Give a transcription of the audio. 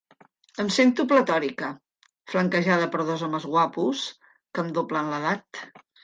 Em sento pletòrica, flanquejada per dos homes guapos que em doblen l'edat.